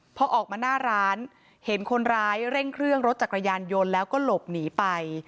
พอออกมาหน้าร้านเห็นคนร้ายเร่งเครื่องรถจักรยานยนต์แล้วก็หลบหนีไป